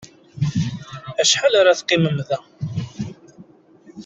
Acḥal ara teqqimemt da?